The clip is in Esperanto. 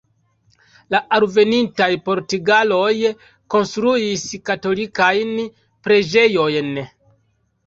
La alvenintaj portugaloj konstruis katolikajn preĝejojn.